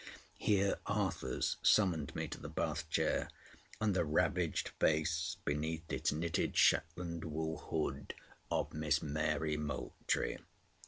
Here Arthurs summoned me to the bath chair, and the ravaged face, beneath its knitted Shetland wool hood, of Miss Mary Moultrie.